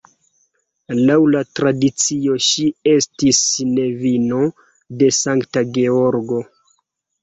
Laŭ la tradicio ŝi estis nevino de Sankta Georgo.